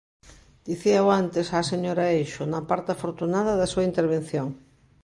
Dicíao antes á señora Eixo, na parte afortunada da súa intervención.